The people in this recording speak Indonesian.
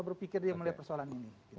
berpikir dia melihat persoalan ini